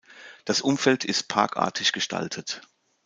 Das Umfeld ist parkartig gestaltet.